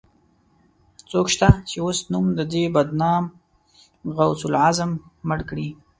څوک شته، چې اوس نوم د دې بدنام غوث العظم مړ کړي